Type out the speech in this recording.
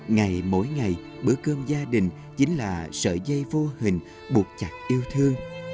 ngày mỗi ngày bữa cơm gia đình chính là sợi dây vô hình buộc chặt yêu thương